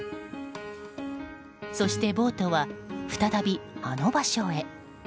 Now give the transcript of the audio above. そして、ボートは再びあの場所へ。